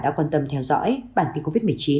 đã quan tâm theo dõi bản tin covid một mươi chín